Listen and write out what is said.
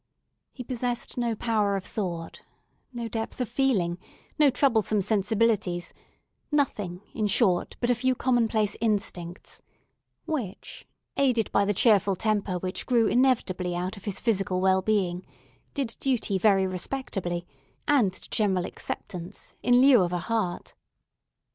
He possessed no power of thought, no depth of feeling, no troublesome sensibilities: nothing, in short, but a few commonplace instincts, which, aided by the cheerful temper which grew inevitably out of his physical well being, did duty very respectably, and to general acceptance, in lieu of a heart.